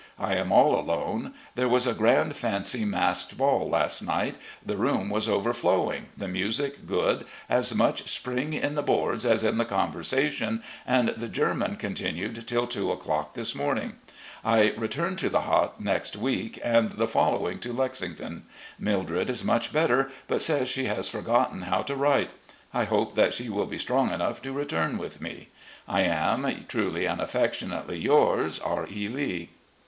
I am all alone. There was a grand fancy masked ball last night. The room was overflowing, the music good, as much spring in the boards as in the conversation, and the german continued till two o'clock this morning. I return to the Hot next week, and the following to Lexington. Mildred is much better, but says she has forgotten how to write. I hope that she wiU be strong enough to return with me. ... I am. Truly and affectionately yours, R. E. Lee."